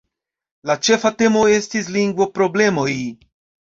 La ĉefa temo estis lingvo-problemoj.